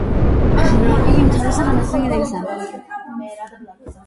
იგი უმთავრესად გამოიყენება როგორც რეზერვუარი, წყალდიდობასთან ბრძოლაში და ჰესის ასამუშავებლად.